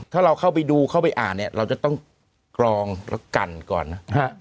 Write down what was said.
ถ้าเราเข้าไปดูเข้าไปอ่านเนี่ยเราจะต้องกรองแล้วกันก่อนนะ